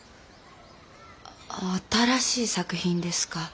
新しい作品ですか。